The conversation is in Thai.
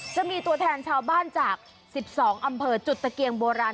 จะมีตัวแทนชาวบ้านจาก๑๒อำเภอจุดตะเกียงโบราณ